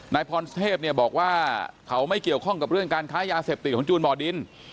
นายพรเทพเนี่ยบอกว่าเขาไม่เกี่ยวข้องกับเรื่องการค้ายาเสพติดของจูนบ่อดิน